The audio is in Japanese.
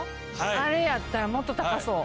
あれやったらもっと高そう。